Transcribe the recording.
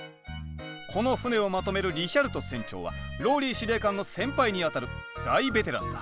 この船をまとめるリヒャルト船長はＲＯＬＬＹ司令官の先輩にあたる大ベテランだ。